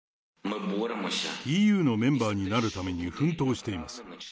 ＥＵのメンバーになるために奮闘しています。